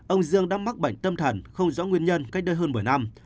ông dương đã mắc bệnh tâm thần không rõ nguyên nhân cách đây hơn một mươi năm